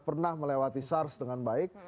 pernah melewati sars dengan baik